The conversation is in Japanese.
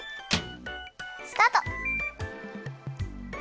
スタート。